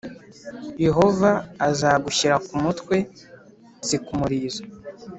Yehova azagushyira ku mutwe; si ku murizo.